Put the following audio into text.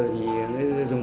thì nó dùng